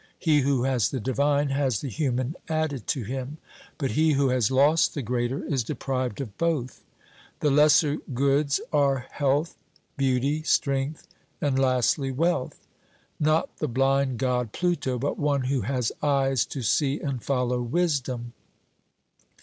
He who has the divine has the human added to him; but he who has lost the greater is deprived of both. The lesser goods are health, beauty, strength, and, lastly, wealth; not the blind God, Pluto, but one who has eyes to see and follow wisdom.